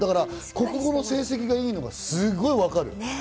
国語の成績が良いのもすごくわかる。